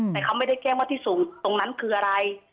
แต่เขาไม่ได้แจ้งว่าที่สูงตรงนั้นคืออะไร